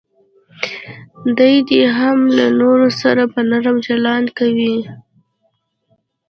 دی دې هم له نورو سره په نرمي چلند کوي.